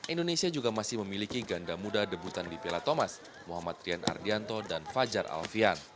indonesia juga masih memiliki ganda muda debutan di piala thomas muhammad rian ardianto dan fajar alfian